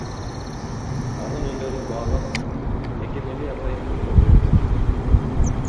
Анын өнөрүн баалап мекемеде атайын бөлмө бөлүп беришкен.